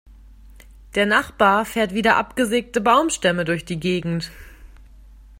Der Nachbar fährt wieder abgesägte Baumstämme durch die Gegend.